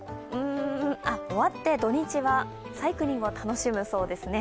終わって土日はサイクリングを楽しむそうですね。